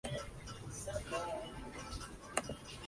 La suspensión continuó durante la guerra civil española.